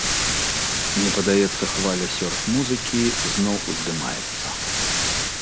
Мне падаецца, хваля сёрф-музыкі зноў ўздымаецца.